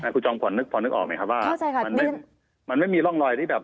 คุณจอมขวัญพอนึกออกไหมครับว่ามันไม่มีร่องรอยที่แบบ